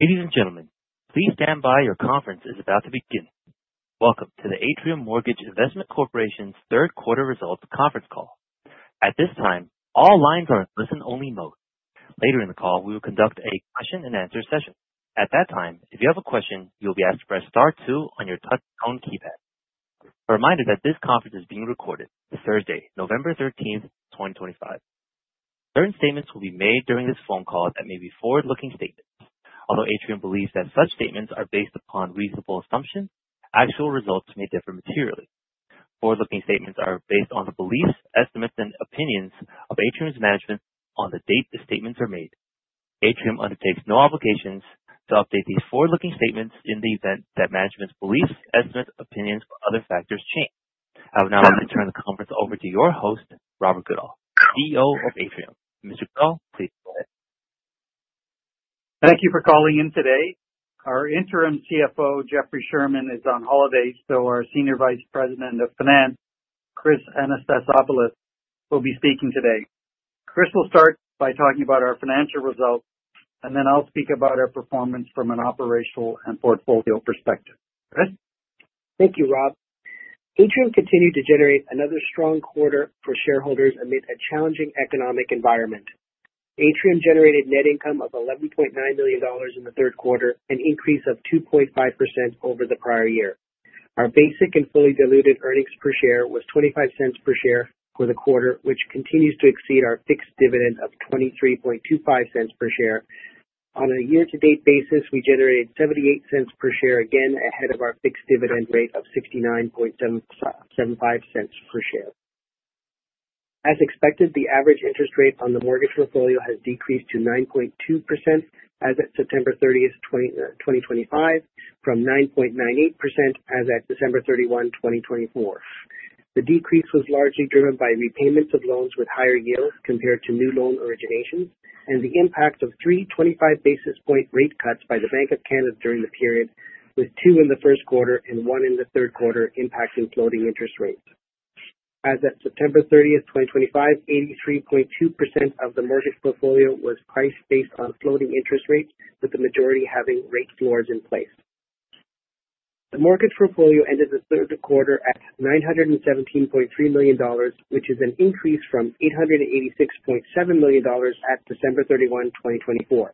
Ladies and gentlemen, please stand by. Your conference is about to begin. Welcome to the Atrium Mortgage Investment Corporation's third quarter results conference call. At this time, all lines are in listen-only mode. Later in the call, we will conduct a question-and-answer session. At that time, if you have a question, you'll be asked to press star two on your touch-tone keypad. A reminder that this conference is being recorded. It's Thursday, November 13, 2025. Certain statements will be made during this phone call that may be forward-looking statements. Although Atrium believes that such statements are based upon reasonable assumptions, actual results may differ materially. Forward-looking statements are based on the beliefs, estimates, and opinions of Atrium's management on the date the statements are made. Atrium undertakes no obligations to update these forward-looking statements in the event that management's beliefs, estimates, and opinions or other factors change. I would now like to turn the conference over to your host, Robert Goodall, CEO of Atrium. Mr. Goodall, please go ahead. Thank you for calling in today. Our Interim CFO, Jeffrey Sherman, is on holiday, so our Senior Vice President of Finance, Chris Anastasopoulos, will be speaking today. Chris will start by talking about our financial results, and then I'll speak about our performance from an operational and portfolio perspective. Chris? Thank you, Rob. Atrium continued to generate another strong quarter for shareholders amid a challenging economic environment. Atrium generated net income of 11.9 million dollars in the third quarter, an increase of 2.5% over the prior year. Our basic and fully diluted earnings per share was 0.25 per share for the quarter, which continues to exceed our fixed dividend of 0.2325 per share. On a year-to-date basis, we generated 0.78 per share, again ahead of our fixed dividend rate of 0.6975 per share. As expected, the average interest rate on the mortgage portfolio has decreased to 9.2% as of September 30, 2025, from 9.98% as of December 31, 2024. The decrease was largely driven by repayments of loans with higher yields compared to new loan originations and the impact of three 25-basis-point rate cuts by the Bank of Canada during the period, with two in the first quarter and one in the third quarter impacting floating interest rates. As of September 30, 2025, 83.2% of the mortgage portfolio was priced based on floating interest rates, with the majority having rate floors in place. The mortgage portfolio ended the third quarter at 917.3 million dollars, which is an increase from 886.7 million dollars at December 31, 2024.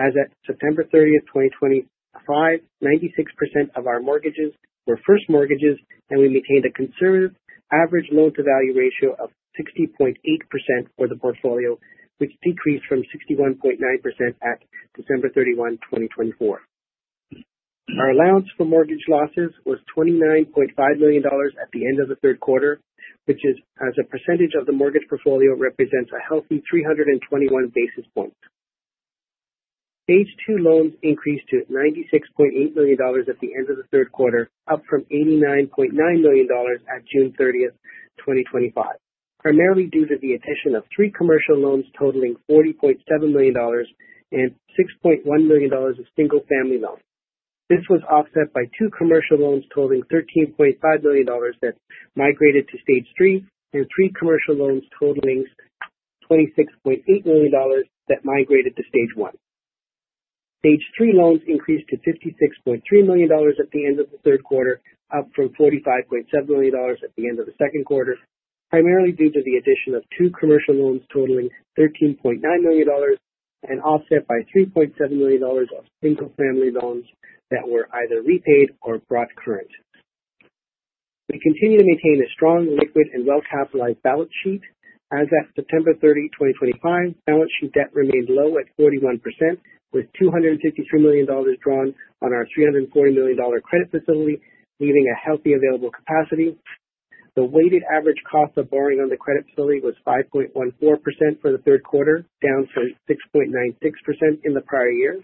As of September 30, 2025, 96% of our mortgages were first mortgages, and we maintained a conservative average loan-to-value ratio of 60.8% for the portfolio, which decreased from 61.9% at December 31, 2024. Our allowance for mortgage losses was 29.5 million dollars at the end of the third quarter, which, as a percentage of the mortgage portfolio, represents a healthy 321 basis points. Stage two loans increased to 96.8 million dollars at the end of the third quarter, up from 89.9 million dollars at June 30, 2025, primarily due to the addition of three commercial loans totaling 40.7 million dollars and 6.1 million dollars of single-family loans. This was offset by two commercial loans totaling 13.5 million dollars that migrated to stage three and three commercial loans totaling 26.8 million dollars that migrated to stage one. Stage three loans increased to 56.3 million dollars at the end of the third quarter, up from 45.7 million dollars at the end of the second quarter, primarily due to the addition of two commercial loans totaling 13.9 million dollars and offset by 3.7 million dollars of single-family loans that were either repaid or brought current. We continue to maintain a strong, liquid, and well-capitalized balance sheet. As of September 30, 2025, balance sheet debt remained low at 41%, with 253 million dollars drawn on our 340 million dollar credit facility, leaving a healthy available capacity. The weighted average cost of borrowing on the credit facility was 5.14% for the third quarter, down from 6.96% in the prior year.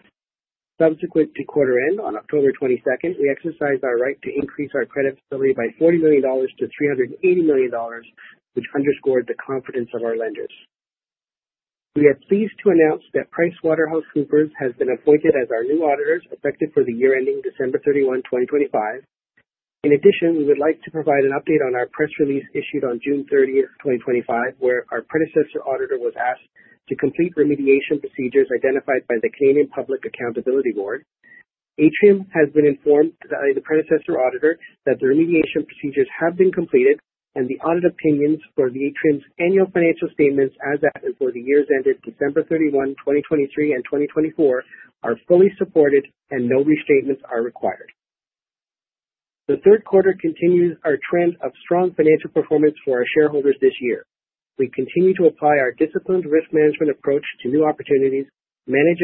Subsequent to quarter end, on October 22, we exercised our right to increase our credit facility by 40 million-380 million dollars, which underscored the confidence of our lenders. We are pleased to announce that PricewaterhouseCoopers has been appointed as our new auditor, effective for the year ending December 31, 2025. In addition, we would like to provide an update on our press release issued on June 30, 2025, where our predecessor auditor was asked to complete remediation procedures identified by the Canadian Public Accountability Board. Atrium has been informed by the predecessor auditor that the remediation procedures have been completed, and the audit opinions for Atrium's annual financial statements as of and for the years ended December 31, 2023, and 2024 are fully supported and no restatements are required. The third quarter continues our trend of strong financial performance for our shareholders this year. We continue to apply our disciplined risk management approach to new opportunities, manage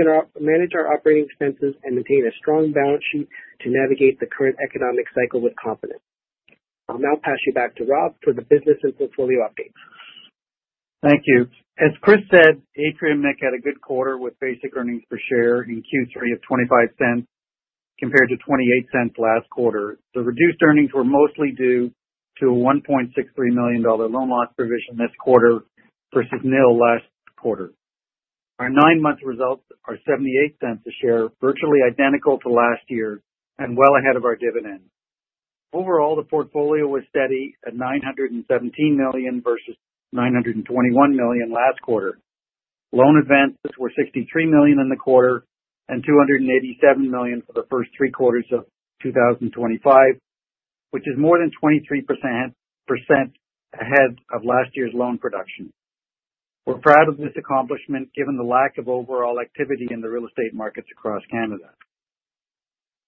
our operating expenses, and maintain a strong balance sheet to navigate the current economic cycle with confidence. I'll now pass you back to Rob for the business and portfolio updates. Thank you. As Chris said, Atrium had a good quarter with basic earnings per share in Q3 of $0.25 compared to $0.28 last quarter. The reduced earnings were mostly due to a 1.63 million dollar loan loss provision this quarter versus nil last quarter. Our nine-month results are $0.78 a share, virtually identical to last year and well ahead of our dividend. Overall, the portfolio was steady at 917 million versus 921 million last quarter. Loan advances were 63 million in the quarter and 287 million for the first three quarters of 2025, which is more than 23% ahead of last year's loan production. We're proud of this accomplishment given the lack of overall activity in the real estate markets across Canada.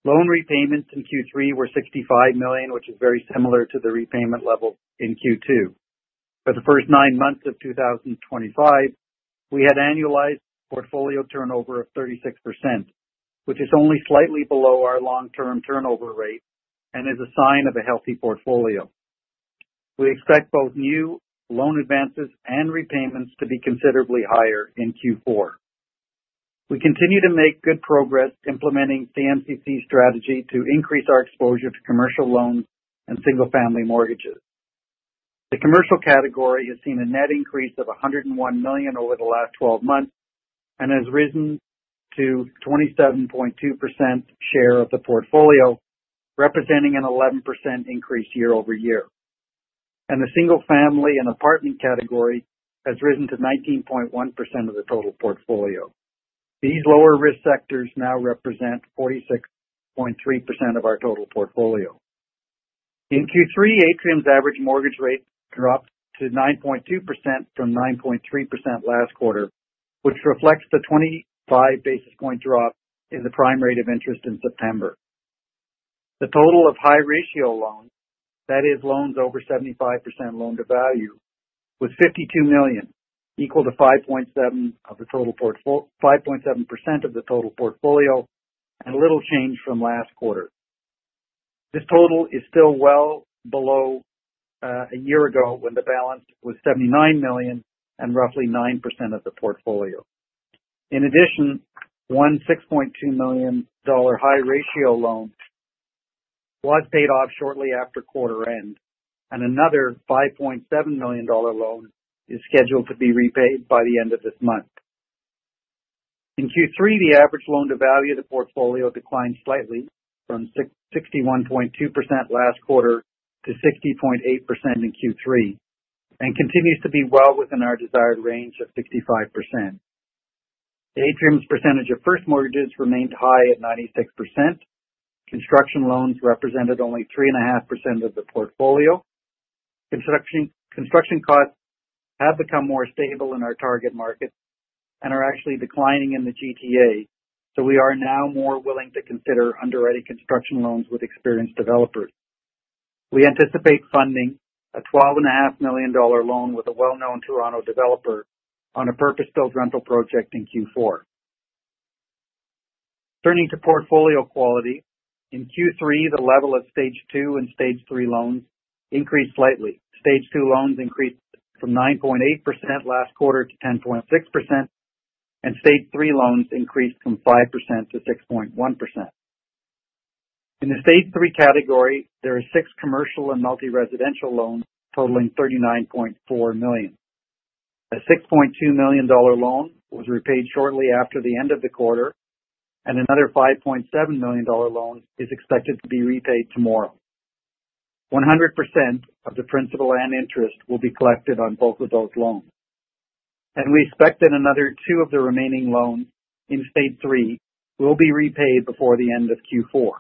Loan repayments in Q3 were 65 million, which is very similar to the repayment level in Q2. For the first nine months of 2025, we had annualized portfolio turnover of 36%, which is only slightly below our long-term turnover rate and is a sign of a healthy portfolio. We expect both new loan advances and repayments to be considerably higher in Q4. We continue to make good progress implementing CMCC's strategy to increase our exposure to commercial loans and single-family mortgages. The commercial category has seen a net increase of 101 million over the last 12 months and has risen to a 27.2% share of the portfolio, representing an 11% increase year-over-year. The single-family and apartment category has risen to 19.1% of the total portfolio. These lower risk sectors now represent 46.3% of our total portfolio. In Q3, Atrium's average mortgage rate dropped to 9.2% from 9.3% last quarter, which reflects the 25 basis point drop in the prime rate of interest in September. The total of high ratio loans, that is, loans over 75% loan-to-value, was 52 million, equal to 5.7% of the total portfolio and a little change from last quarter. This total is still well below a year ago when the balance was 79 million and roughly 9% of the portfolio. In addition, one 6.2 million dollar high ratio loan was paid off shortly after quarter end, and another 5.7 million dollar loan is scheduled to be repaid by the end of this month. In Q3, the average loan-to-value of the portfolio declined slightly from 61.2% last quarter to 60.8% in Q3 and continues to be well within our desired range of 65%. Atrium's percentage of first mortgages remained high at 96%. Construction loans represented only 3.5% of the portfolio. Construction costs have become more stable in our target market and are actually declining in the GTA, so we are now more willing to consider underwriting construction loans with experienced developers. We anticipate funding a 12.5 million dollar loan with a well-known Toronto developer on a purpose-built rental project in Q4. Turning to portfolio quality, in Q3, the level of stage two and stage three loans increased slightly. Stage two loans increased from 9.8% last quarter to 10.6%, and stage three loans increased from 5%-6.1%. In the stage three category, there are six commercial and multi-residential loans totaling 39.4 million. A 6.2 million dollar loan was repaid shortly after the end of the quarter, and another 5.7 million dollar loan is expected to be repaid tomorrow. 100% of the principal and interest will be collected on both of those loans. We expect that another two of the remaining loans in stage three will be repaid before the end of Q4.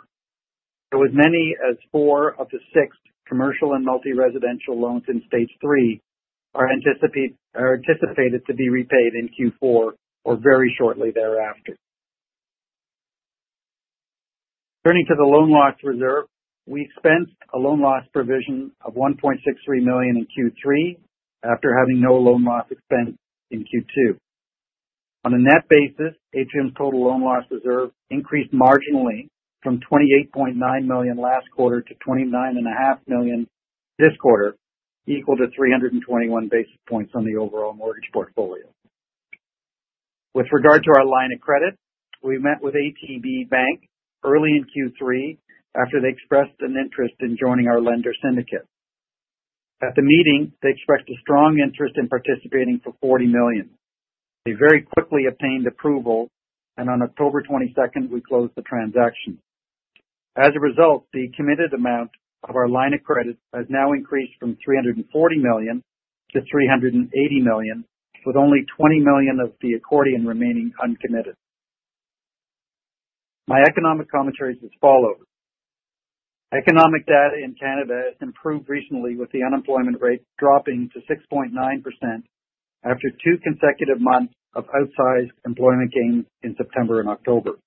As many as four of the six commercial and multi-residential loans in stage three are anticipated to be repaid in Q4 or very shortly thereafter. Turning to the loan loss reserve, we expense a loan loss provision of 1.63 million in Q3 after having no loan loss expense in Q2. On a net basis, Atrium's total loan loss reserve increased marginally from 28.9 million last quarter to 29.5 million this quarter, equal to 321 basis points on the overall mortgage portfolio. With regard to our line of credit, we met with ATB Bank early in Q3 after they expressed an interest in joining our lender syndicate. At the meeting, they expressed a strong interest in participating for 40 million. They very quickly obtained approval, and on October 22nd, we closed the transaction. As a result, the committed amount of our line of credit has now increased from 340 million to 380 million, with only 20 million of the accordion remaining uncommitted. My economic commentary is as follows. Economic data in Canada has improved recently, with the unemployment rate dropping to 6.9% after two consecutive months of outsized employment gains in September and October.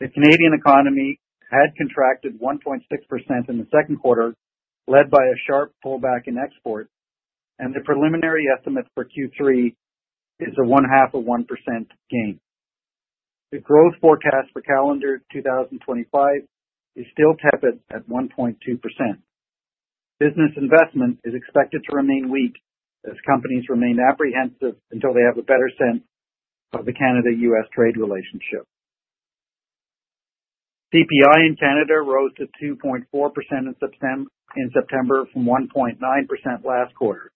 The Canadian economy had contracted 1.6% in the second quarter, led by a sharp pullback in exports, and the preliminary estimate for Q3 is a one-half of 1% gain. The growth forecast for calendar 2025 is still tepid at 1.2%. Business investment is expected to remain weak as companies remain apprehensive until they have a better sense of the Canada-U.S. trade relationship. CPI in Canada rose to 2.4% in September from 1.9% last quarter.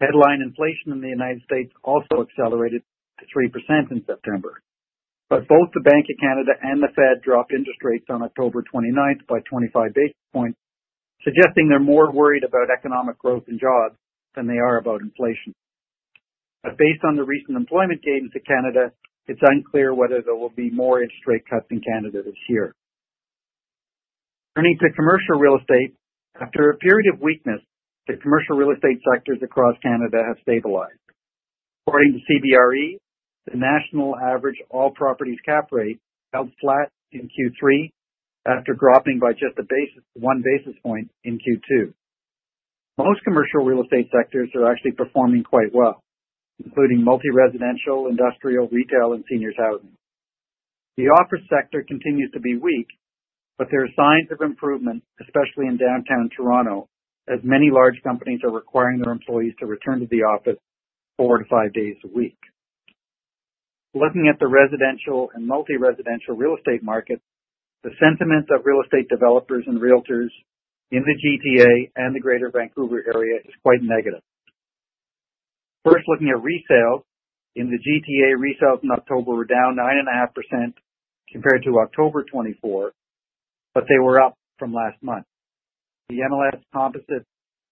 Headline inflation in the U.S. also accelerated to 3% in September. Both the Bank of Canada and the Fed dropped interest rates on October 29 by 25 basis points, suggesting they are more worried about economic growth and jobs than they are about inflation. Based on the recent employment gains in Canada, it is unclear whether there will be more interest rate cuts in Canada this year. Turning to commercial real estate, after a period of weakness, the commercial real estate sectors across Canada have stabilized. According to CBRE, the national average all-properties cap rate held flat in Q3 after dropping by just one basis point in Q2. Most commercial real estate sectors are actually performing quite well, including multi-residential, industrial, retail, and seniors' housing. The office sector continues to be weak, but there are signs of improvement, especially in downtown Toronto, as many large companies are requiring their employees to return to the office four to five days a week. Looking at the residential and multi-residential real estate market, the sentiment of real estate developers and realtors in the GTA and the Greater Vancouver area is quite negative. First, looking at resales, in the GTA, resales in October were down 9.5% compared to October 2023, but they were up from last month. The MLS composite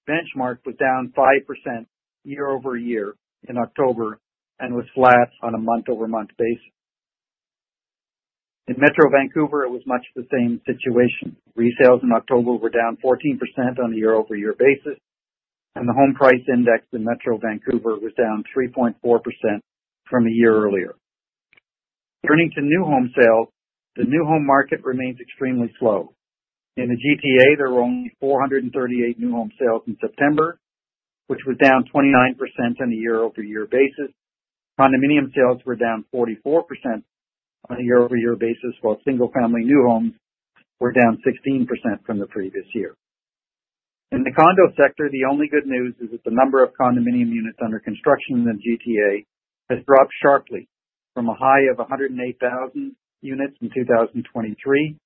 benchmark was down 5% year-over-year in October and was flat on a month-over-month basis. In Metro Vancouver, it was much the same situation. Resales in October were down 14% on a year-over-year basis, and the home price index in Metro Vancouver was down 3.4% from a year earlier. Turning to new home sales, the new home market remains extremely slow. In the Greater Toronto Area, there were only 438 new home sales in September, which was down 29% on a year-over-year basis. Condominium sales were down 44% on a year-over-year basis, while single-family new homes were down 16% from the previous year. In the condo sector, the only good news is that the number of condominium units under construction in the Greater Toronto Area has dropped sharply from a high of 108,000 units in 2023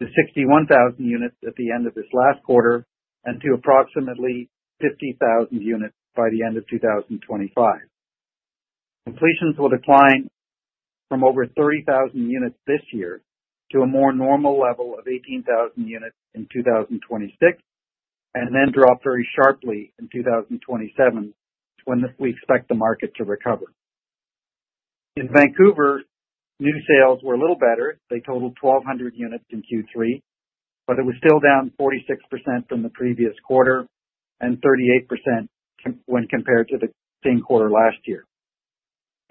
to 61,000 units at the end of this last quarter and to approximately 50,000 units by the end of 2025. Completions will decline from over 30,000 units this year to a more normal level of 18,000 units in 2026 and then drop very sharply in 2027 when we expect the market to recover. In Vancouver, new sales were a little better. They totaled 1,200 units in Q3, but it was still down 46% from the previous quarter and 38% when compared to the same quarter last year.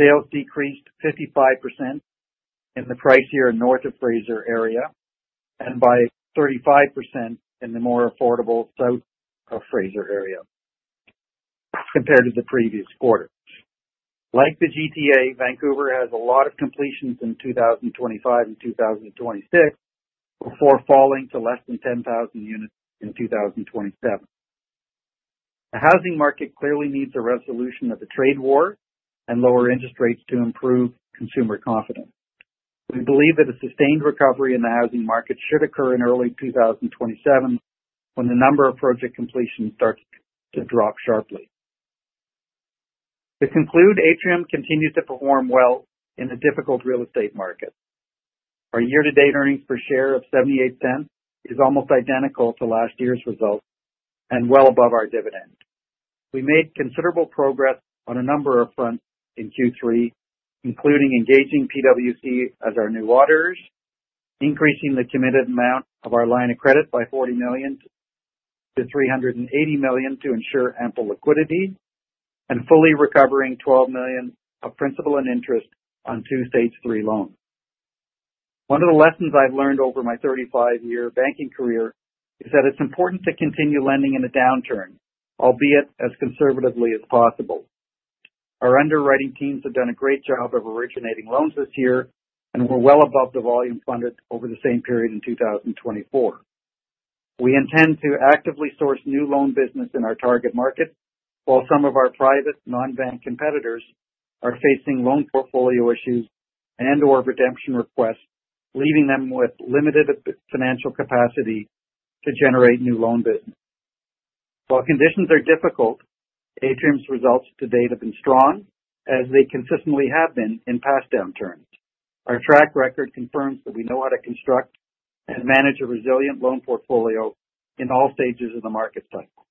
Sales decreased 55% in the Price year north of Fraser area and by 35% in the more affordable south of Fraser area compared to the previous quarter. Like the GTA, Vancouver has a lot of completions in 2025 and 2026 before falling to less than 10,000 units in 2027. The housing market clearly needs a resolution of the trade war and lower interest rates to improve consumer confidence. We believe that a sustained recovery in the housing market should occur in early 2027 when the number of project completions starts to drop sharply. To conclude, Atrium continues to perform well in a difficult real estate market. Our year-to-date earnings per share of $0.78 is almost identical to last year's results and well above our dividend. We made considerable progress on a number of fronts in Q3, including engaging PricewaterhouseCoopers as our new auditors, increasing the committed amount of our line of credit by 40 million to 380 million to ensure ample liquidity, and fully recovering 12 million of principal and interest on two stage three loans. One of the lessons I've learned over my 35-year banking career is that it's important to continue lending in a downturn, albeit as conservatively as possible. Our underwriting teams have done a great job of originating loans this year and were well above the volume funded over the same period in 2024. We intend to actively source new loan business in our target market, while some of our private non-bank competitors are facing loan portfolio issues and/or redemption requests, leaving them with limited financial capacity to generate new loan business. While conditions are difficult, Atrium's results to date have been strong, as they consistently have been in past downturns. Our track record confirms that we know how to construct and manage a resilient loan portfolio in all stages of the market cycle.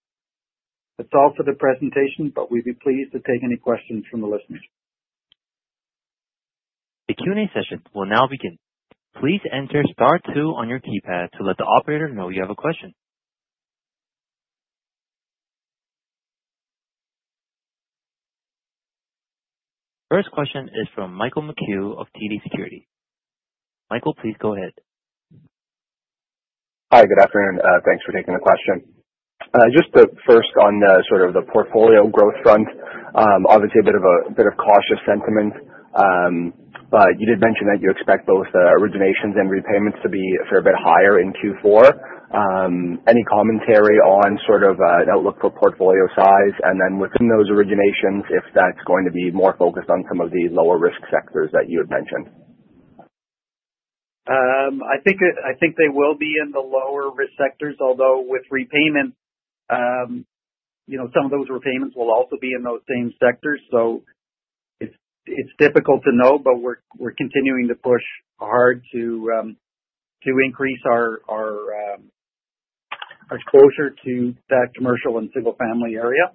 That is all for the presentation, but we'd be pleased to take any questions from the listeners. The Q&A session will now begin. Please enter STAR2 on your keypad to let the operator know you have a question. First question is from Michael McHugh of TD Securities. Michael, please go ahead. Hi, good afternoon. Thanks for taking the question. Just first on sort of the portfolio growth front, obviously a bit of cautious sentiment, but you did mention that you expect both originations and repayments to be a fair bit higher in Q4. Any commentary on sort of an outlook for portfolio size and then within those originations if that's going to be more focused on some of the lower risk sectors that you had mentioned? I think they will be in the lower risk sectors, although with repayments, some of those repayments will also be in those same sectors. It is difficult to know, but we are continuing to push hard to increase our exposure to that commercial and single-family area.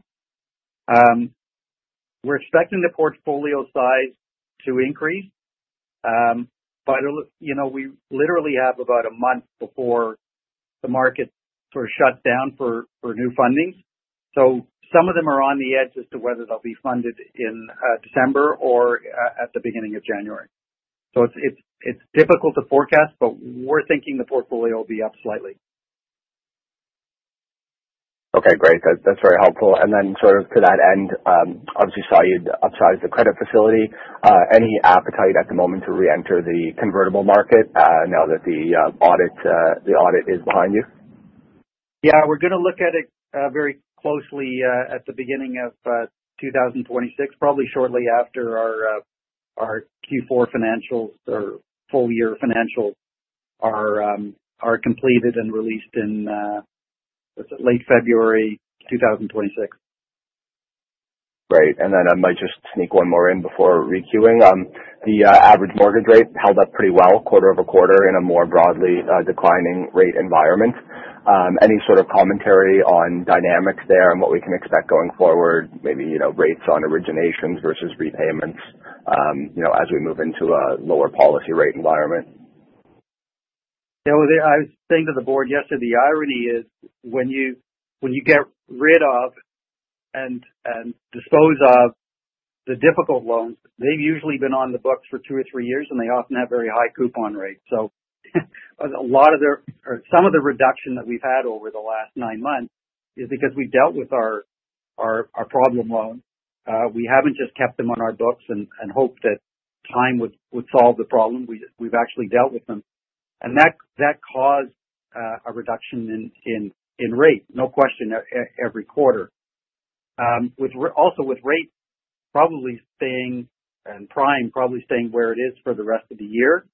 We are expecting the portfolio size to increase, but we literally have about a month before the market sort of shuts down for new funding. Some of them are on the edge as to whether they will be funded in December or at the beginning of January. It is difficult to forecast, but we are thinking the portfolio will be up slightly. Okay, great. That's very helpful. And then sort of to that end, obviously you saw you upsized the credit facility. Any appetite at the moment to re-enter the convertible market now that the audit is behind you? Yeah, we're going to look at it very closely at the beginning of 2026, probably shortly after our Q4 financials or full-year financials are completed and released in late February 2026. Great. I might just sneak one more in before requeuing. The average mortgage rate held up pretty well quarter over quarter in a more broadly declining rate environment. Any sort of commentary on dynamics there and what we can expect going forward, maybe rates on originations versus repayments as we move into a lower policy rate environment? I was saying to the board yesterday, the irony is when you get rid of and dispose of the difficult loans, they've usually been on the books for two or three years, and they often have very high coupon rates. So a lot of their or some of the reduction that we've had over the last nine months is because we dealt with our problem loans. We haven't just kept them on our books and hoped that time would solve the problem. We've actually dealt with them. That caused a reduction in rate, no question, every quarter. Also with rates probably staying and prime probably staying where it is for the rest of the year.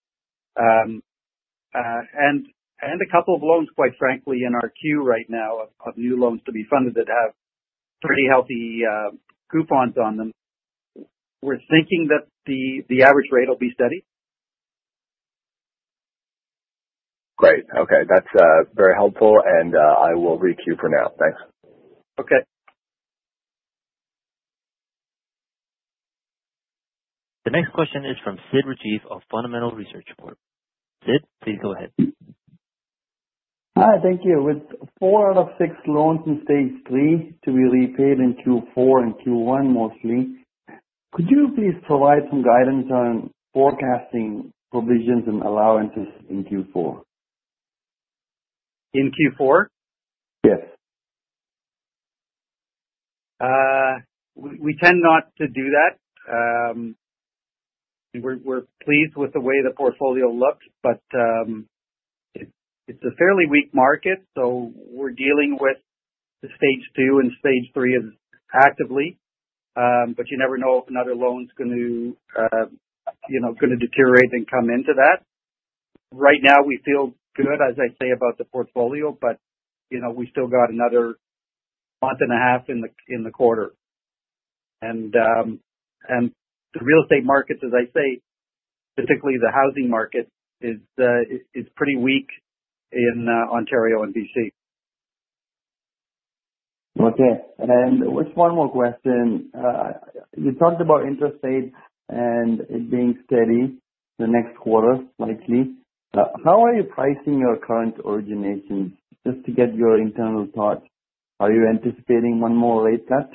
A couple of loans, quite frankly, in our queue right now of new loans to be funded that have pretty healthy coupons on them, we're thinking that the average rate will be steady. Great. Okay. That's very helpful, and I will requeue for now. Thanks. Okay. The next question is from Sid Rajeev of Fundamental Research Corp. Sid, please go ahead. Hi, thank you. With four out of six loans in stage three to be repaid in Q4 and Q1 mostly, could you please provide some guidance on forecasting provisions and allowances in Q4? In Q4? Yes. We tend not to do that. We're pleased with the way the portfolio looks, but it's a fairly weak market, so we're dealing with the stage two and stage three actively, but you never know if another loan's going to deteriorate and come into that. Right now, we feel good, as I say, about the portfolio, but we still got another month and a half in the quarter. The real estate market, as I say, particularly the housing market, is pretty weak in Ontario and British Columbia. Okay. And just one more question. You talked about interest rates and it being steady the next quarter, likely. How are you pricing your current originations? Just to get your internal thoughts, are you anticipating one more rate cut?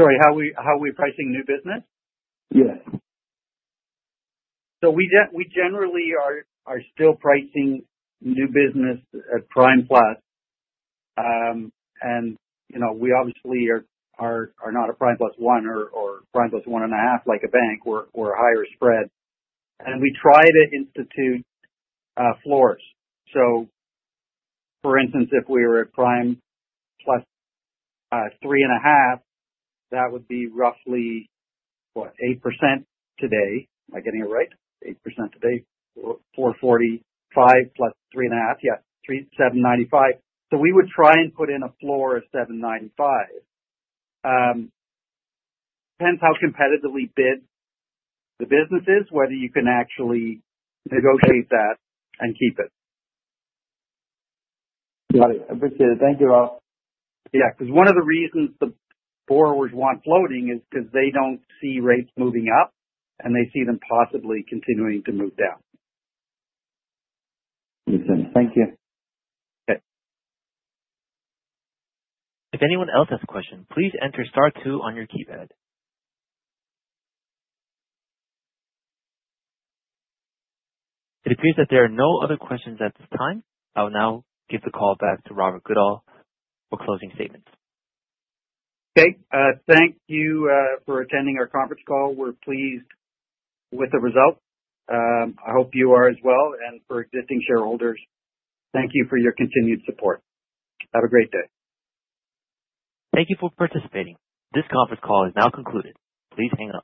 Sorry, how are we pricing new business? Yes. We generally are still pricing new business at prime plus, and we obviously are not a prime plus one or prime plus one and a half like a bank or a higher spread. We try to institute floors. For instance, if we were at prime plus three and a half, that would be roughly, what, 8% today. Am I getting it right? 8% today, 4.45 plus three and a half. Yeah, 7.95. We would try and put in a floor of 7.95. Depends how competitively bid the business is, whether you can actually negotiate that and keep it. Got it. Appreciate it. Thank you all. Yeah, because one of the reasons the borrowers want floating is because they do not see rates moving up, and they see them possibly continuing to move down. Makes sense. Thank you. Okay. If anyone else has a question, please enter STAR2 on your keypad. It appears that there are no other questions at this time. I will now give the call back to Robert Goodall for closing statements. Okay. Thank you for attending our conference call. We're pleased with the result. I hope you are as well. For existing shareholders, thank you for your continued support. Have a great day. Thank you for participating. This conference call is now concluded. Please hang up.